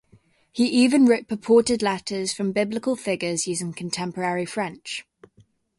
He even wrote purported letters from biblical figures using contemporary French.